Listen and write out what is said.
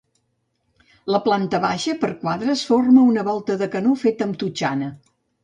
La planta baixa, per a quadres, forma una volta de canó feta amb totxana.